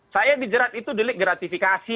saya dijerat itu delik gratifikasi